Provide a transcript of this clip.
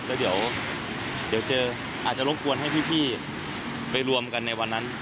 แล้วเดี๋ยวเจออาจจะรบกวนให้พี่ไปรวมกันในวันนั้น